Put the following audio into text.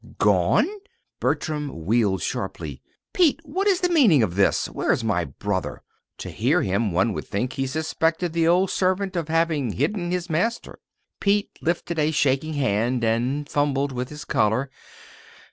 "Gone!" Bertram wheeled sharply. "Pete, what is the meaning of this? Where is my brother?" To hear him, one would think he suspected the old servant of having hidden his master. Pete lifted a shaking hand and fumbled with his collar.